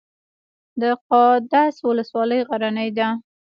د قادس ولسوالۍ غرنۍ ده